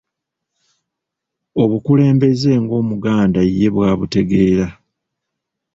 Obukulembeze ng’Omuganda ye bw’abutegeera.